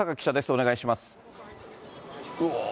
お願いします。